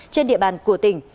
trên địa bàn của tỉnh